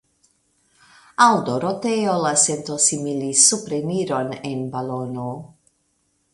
Al Doroteo la sento similis supreniron en balono.